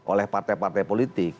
oleh partai partai politik